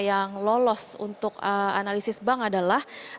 yang lolos untuk analisis bank adalah